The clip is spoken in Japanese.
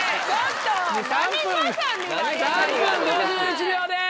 ３分５１秒です。